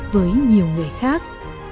với nhiều người khác